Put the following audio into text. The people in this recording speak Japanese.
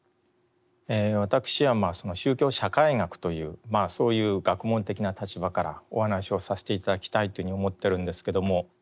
私は宗教社会学というそういう学問的な立場からお話をさせて頂きたいというふうに思っているんですけども。